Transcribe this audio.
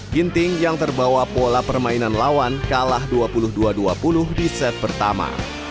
ginting yang terbawa pola permainan lawan kalah dua puluh dua dua puluh di set pertama